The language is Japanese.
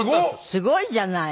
すごいじゃない。